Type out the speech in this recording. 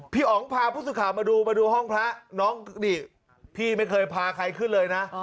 อ๋องพาผู้สื่อข่าวมาดูมาดูห้องพระน้องนี่พี่ไม่เคยพาใครขึ้นเลยนะ